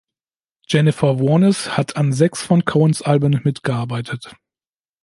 Jennifer Warnes hat an sechs von Cohens Alben mitgearbeitet.